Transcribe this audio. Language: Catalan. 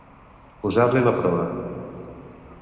Posar-li la proa.